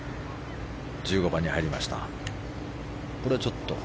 １５番に入りました。